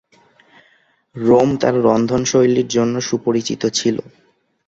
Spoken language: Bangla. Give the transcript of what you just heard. রোম তার রন্ধনশৈলীর জন্য সুপরিচিত ছিল।